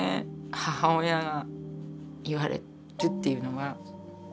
母親が言われるっていうのは。